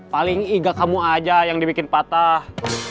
paling iga kamu aja yang dibikin patah